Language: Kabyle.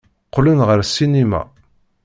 Qqlen ɣer ssinima.